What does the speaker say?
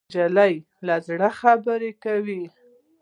نجلۍ له زړه خبرې کوي.